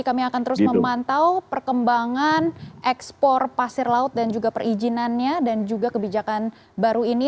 kami akan terus memantau perkembangan ekspor pasir laut dan juga perizinannya dan juga kebijakan baru ini